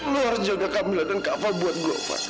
lu harus jaga kamila dan kak val buat gua van